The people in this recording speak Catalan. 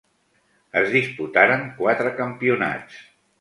Es disputaren quatre campionats.